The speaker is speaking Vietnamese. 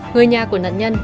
người nhà của nạn nhân